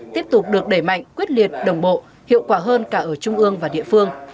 tiếp tục được đẩy mạnh quyết liệt đồng bộ hiệu quả hơn cả ở trung ương và địa phương